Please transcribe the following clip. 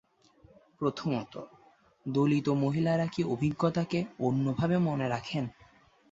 প্রথমত, দলিত মহিলারা কি অভিজ্ঞতাকে অন্য ভাবে মনে রাখেন?